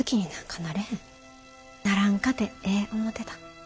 ならんかてええ思てた。